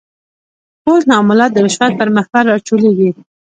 ټول تعاملات د رشوت پر محور راچولېږي.